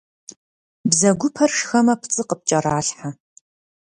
Бзэгупэр шхэмэ пцӏы къыпкӏэралъхьэ.